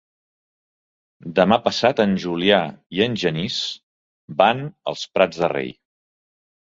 Demà passat en Julià i en Genís van als Prats de Rei.